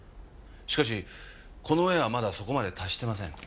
しかしこの絵はまだそこまで達してません。